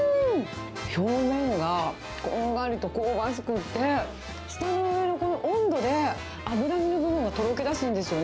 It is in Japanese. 表面がこんがりと香ばしくって、舌の上の温度で脂身の部分がとろけだすんですよね。